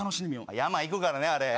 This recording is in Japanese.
山行くからね、あれね。